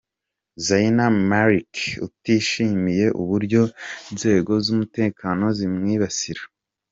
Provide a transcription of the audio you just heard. Zayn Malik utishimiye uburyo inzego z’umutekano zimwibasira.